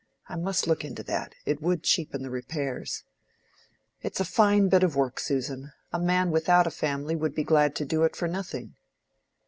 I must look into that: it would cheapen the repairs. It's a fine bit of work, Susan! A man without a family would be glad to do it for nothing."